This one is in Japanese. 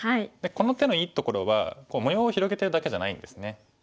この手のいいところは模様を広げてるだけじゃないんですね。